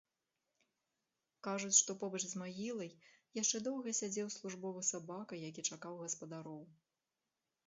Кажуць, што побач з магілай яшчэ доўга сядзеў службовы сабака, які чакаў гаспадароў.